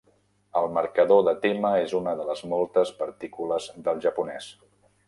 El marcador de tema és una de les moltes partícules del japonès.